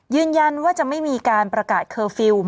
ยืนยันว่าจะไม่มีการประกาศเคอร์ฟิลล์